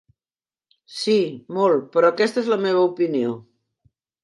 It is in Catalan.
Sí, molt, però aquesta és la meva opinió.